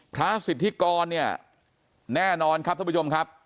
พระสิทธิกรเนี่ยแน่นอนครับท่านผู้ชมครับ